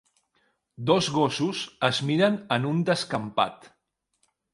Dos gossos es miren en un descampat.